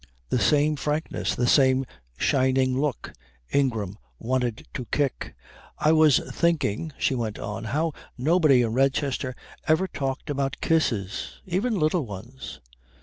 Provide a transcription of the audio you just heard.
The same frankness; the same shining look. Ingram wanted to kick. "I was thinking," she went on, "how nobody in Redchester ever talked about kisses. Even little ones."